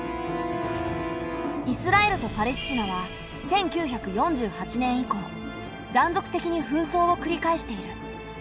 イスラエルとパレスチナは１９４８年以降断続的に紛争をくり返している。